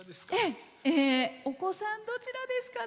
お子さん、どちらですかね。